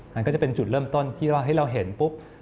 มันก็จะเป็นจุดเริ่มต้นที่ว่าเราเห็นปุ๊บ